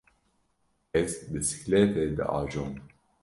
Ez bisikletê diajom.